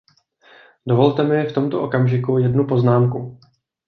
Dovolte mi v tomto okamžiku jednu poznámku.